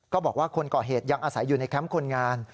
บอกว่าคนก่อเหตุยังอาศัยอยู่ในแคมป์คนงาน